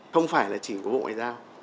không phải là chỉ của bộ ngoại giao